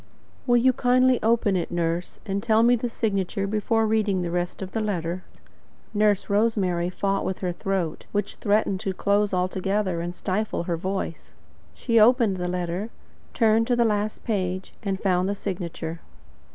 "Will you kindly open it, nurse, and tell me the signature before reading the rest of the letter." Nurse Rosemary fought with her throat, which threatened to close altogether and stifle her voice. She opened the letter, turned to the last page, and found the signature.